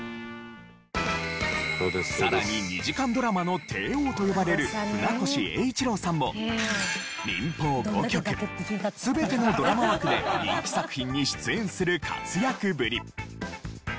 さらに２時間ドラマの帝王と呼ばれる船越英一郎さんも民放５局全てのドラマ枠で人気作品に出演する活躍ぶり。